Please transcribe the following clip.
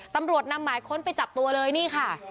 ตำรวจนำหมายค้นไปจับตัวเลยนี่ค่ะ